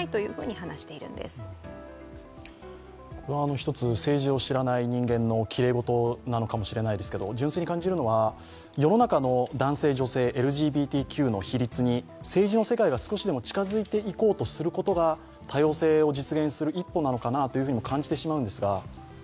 一つ政治を知らない人間のきれいごとなのかもしれませんが純粋に感じるのは世の中の男性、女性、ＬＧＢＴＱの比率に政治の世界が少しでも近づいていこうとすることが多様性への一歩なのかなと感じてしまうんですが。